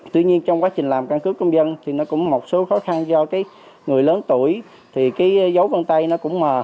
tuy nhiên trong quá trình làm căn cước công dân thì nó cũng một số khó khăn do cái người lớn tuổi thì cái dấu vân tay nó cũng mờ